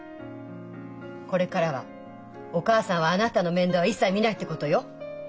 これからはお母さんはあなたの面倒は一切見ないってことよ。